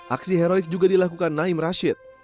aksi heroik juga dilakukan naim rashid